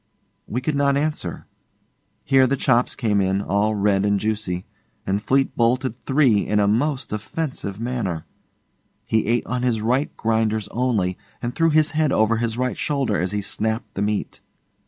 We could not answer. Here the chops came in, all red and juicy, and Fleete bolted three in a most offensive manner. He ate on his right grinders only, and threw his head over his right shoulder as he snapped the meat.